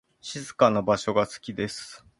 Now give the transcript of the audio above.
静かな場所が好きです。